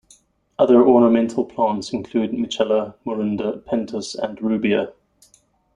Other ornamental plants include "Mitchella", "Morinda", "Pentas", and "Rubia".